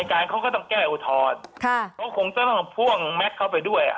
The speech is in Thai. การเขาก็ต้องแก้อุทธรณ์ค่ะเขาคงจะต้องพ่วงแม็กซ์เข้าไปด้วยอ่ะ